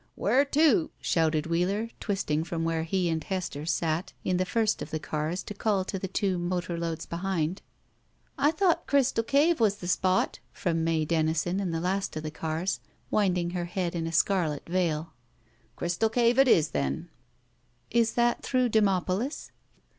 "Where to?" shouted Wheeler, twisting from where he and Hester sat in the first of the cars to call to the two motor loads behind. "I thought Crystal Cave was the spot" — ^from May Denison in the last of the cars, winding her head in a scarlet veil. "Crystal Cave it is, then." "Is that through Demopolis?"